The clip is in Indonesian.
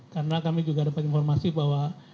karena kami juga dapat informasi bahwa